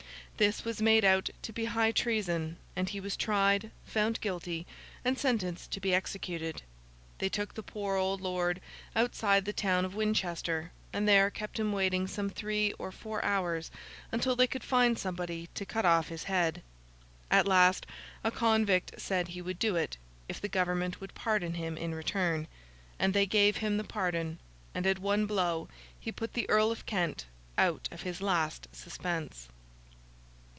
This was made out to be high treason, and he was tried, found guilty, and sentenced to be executed. They took the poor old lord outside the town of Winchester, and there kept him waiting some three or four hours until they could find somebody to cut off his head. At last, a convict said he would do it, if the government would pardon him in return; and they gave him the pardon; and at one blow he put the Earl of Kent out of his last suspense.